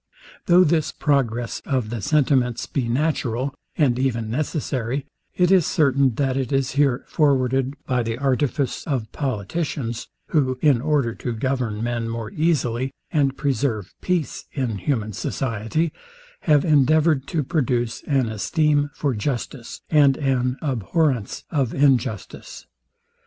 Though this progress of the sentiments be natural, and even necessary, it is certain, that it is here forwarded by the artifice of politicians, who, in order to govern men more easily, and preserve peace in human society, have endeavoured to produce an esteem for justice, and an abhorrence of injustice.